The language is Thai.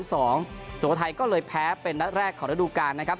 สุโขทัยก็เลยแพ้เป็นนัดแรกของระดูการนะครับ